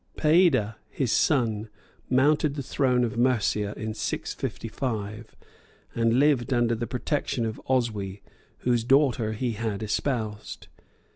Peada, his son, mounted the throne of Mercia in 655, and lived under the protection of Oswy, whose daughter he had espoused.